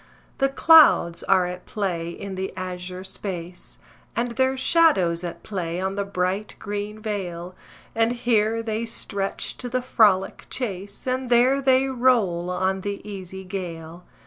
The clouds are at play in the azure space, And their shadows at play on the bright green vale, And here they stretch to the frolic chase, And there they roll on the easy gale.